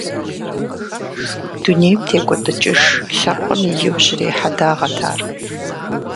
Дунейм текӀуэдыкӀыж лъэпкъым и иужьрей хьэдагъэт ар…